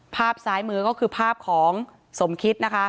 ภาพซ้ายมือก็คือภาพของสมคิดนะคะ